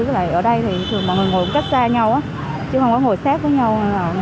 với lại ở đây thì thường mọi người ngồi cách xa nhau chứ không có ngồi sát với nhau